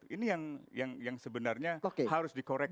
ini yang sebenarnya harus dikoreksi